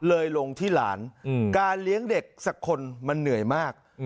เลยลงที่หลานการเลี้ยงเด็กสักคนมันเหนื่อยมาก